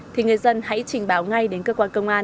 thì người dân hãy trình báo ngay đến cơ quan công an